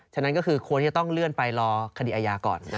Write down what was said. ฉะนั้นก็คือควรที่จะต้องเลื่อนไปรอคดีอาญาก่อน